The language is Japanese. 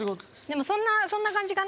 でもそんな感じかな。